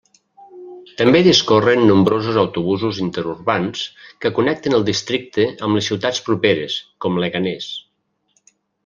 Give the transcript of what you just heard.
També discorren nombrosos autobusos interurbans que connecten el districte amb les ciutats properes, com Leganés.